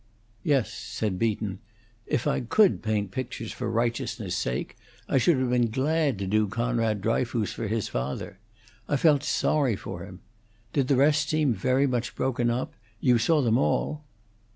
"Yes," said Beaton. "If I could paint pictures for righteousness' sake, I should have been glad to do Conrad Dryfoos for his father. I felt sorry for him. Did the rest seem very much broken up? You saw them all?"